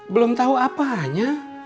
belum tau apanya